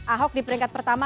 ahok di peringkat pertama